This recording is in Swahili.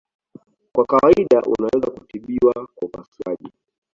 Kwa kawaida unaweza kutibiwa kwa upasuaji.